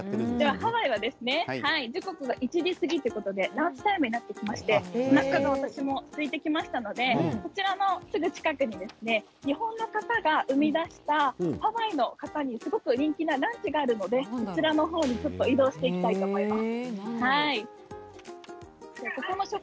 ハワイは時刻が１時過ぎということでランチタイムになっていまして私もおなかがすいてきましたのでこちらのすぐ近くに日本の方が生み出したハワイの方にすごく人気のランチがあるのでそちらの方に移動していきたいと思います。